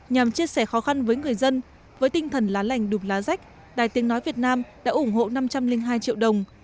nhằm chia sẻ khó khăn với người dân với tinh thần lá lành đùm lá rách đài tiếng nói việt nam đã ủng hộ năm trăm linh hai triệu đồng